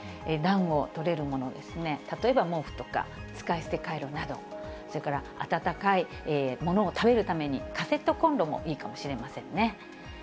暖をとれるものですね、例えば毛布とか、使い捨てカイロなど、それから温かい物を食べるために、カセットコンロもいいかもしれませんね。